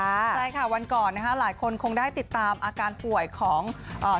ใช่ค่ะวันก่อนนะคะหลายคนคงได้ติดตามอาการป่วยของเอ่อ